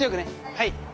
はい。